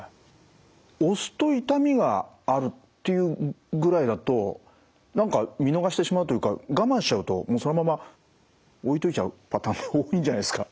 押すと痛みがあるというぐらいだと何か見逃してしまうというか我慢しちゃうとそのまま置いといちゃうパターンも多いんじゃないですか？